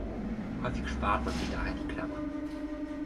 Häufig spart man sich daher die Klammern.